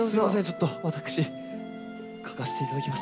ちょっと私嗅がせていただきます。